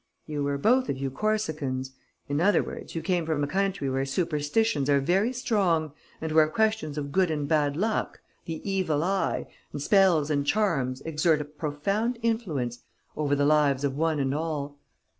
You were both of you Corsicans, in other words, you came from a country where superstitions are very strong and where questions of good and bad luck, the evil eye, and spells and charms exert a profound influence over the lives of one and all.